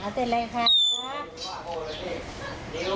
เอาเต็มเล็กตกไหม